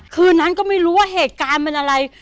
คืนนั้นก็ไม่รู้ว่าเหตุการณ์เป็นอะไร